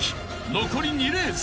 ［残り２レース］